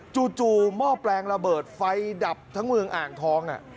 จู่หม้อแปลงระเบิดไฟดับทั้งเมืองอ่างทอง